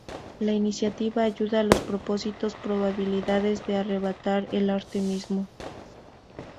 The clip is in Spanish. La iniciativa ayuda a los propósitos probabilidades de arrebatar el arte mismo.